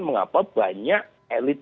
mengapa banyak elit